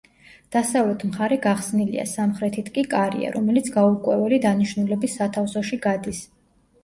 დასავლეთ მხარე გახსნილია, სამხრეთით კი კარია, რომელიც გაურკვეველი დანიშნულების სათავსოში გადის.